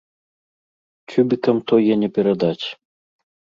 Цюбікам тое не перадаць.